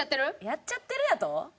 やっちゃってるやと？